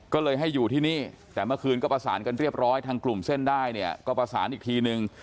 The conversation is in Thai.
ก็เลยให้อยู่ที่นี่แต่เมื่อคืนก็ประสานกันเรียบร้อยทางกลุ่มเส้นได้เนี่ยก็ประสานอีกทีนึง